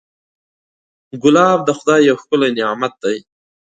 ګلاب د خدای یو ښکلی نعمت دی.